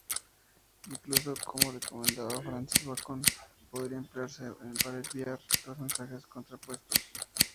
Incluso, como recomendaba Francis Bacon, podría emplearse para enviar dos mensajes contrapuestos.